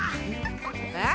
え？